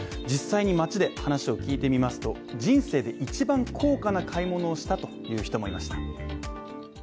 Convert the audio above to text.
実際に街で話を聞いてみますと人生で一番高価な買い物をしたという人もいました。